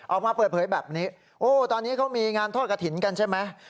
ออกมาเปิดเผยแบบนี้โอ้ตอนนี้เขามีงานทอดกระถิ่นกันใช่ไหม